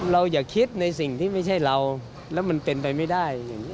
อย่าคิดในสิ่งที่ไม่ใช่เราแล้วมันเป็นไปไม่ได้อย่างนี้